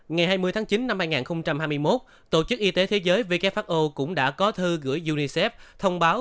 ngày hai mươi tháng chín năm hai nghìn hai mươi một tổ chức y tế thế giới who cũng đã có thư gửi unicef thông báo